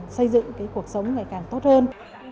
xây dựng cái cuộc sống ngày càng tốt hơn